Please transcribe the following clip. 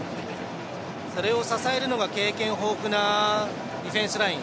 それを支えるのが経験豊富なディフェンスライン。